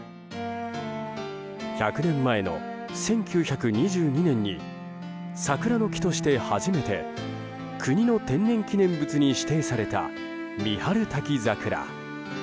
１００年前の１９２２年に桜の木として初めて国の天然記念物に指定された三春滝桜。